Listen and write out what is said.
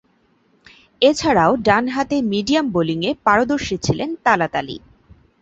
এছাড়াও, ডানহাতে মিডিয়াম বোলিংয়ে পারদর্শী ছিলেন তালাত আলী।